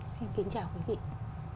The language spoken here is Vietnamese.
xin kính chào quý vị